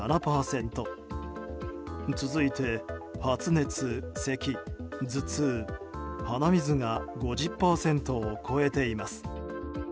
続いて発熱、せき、頭痛、鼻水が５０％を超えています。